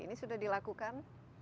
ini sudah dilakukan